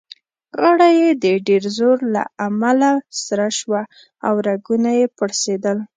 غاړه يې د ډېر زوره له امله سره شوه او رګونه يې پړسېدل.